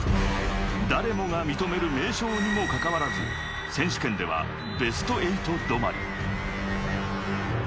誰もが認める名将にもかかわらず、選手権ではベスト８止まり。